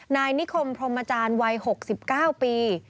นายนิคมพรมอาจารย์วัย๖๙ปี